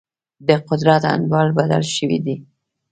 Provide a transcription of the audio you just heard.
د قدرت انډول بدل شوی دی.